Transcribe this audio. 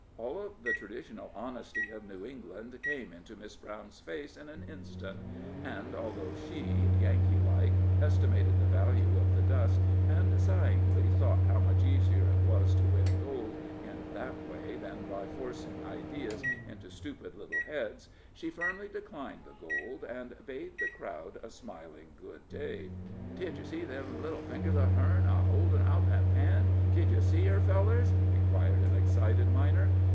All of the traditional honesty of New England came into Miss Brown's face in an instant; and, although she, Yankee like, estimated the value of the dust, and sighingly thought how much easier it was to win gold in that way than by forcing ideas into stupid little heads, she firmly declined the gold, and bade the crowd a smiling good day. "Did yer see them little fingers uv hern a holdin' out that pan? did yer see her, fellers?" inquired an excited miner.